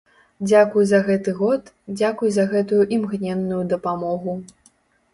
Дзякуй за гэты год, дзякуй за гэтую імгненную дапамогу.